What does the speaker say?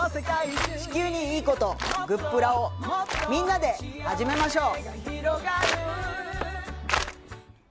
地球にいいこと、グップラをみんなで始めましょう。